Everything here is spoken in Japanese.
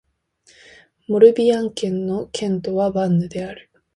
モルビアン県の県都はヴァンヌである